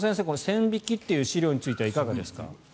線引きという資料についてはいかがですか？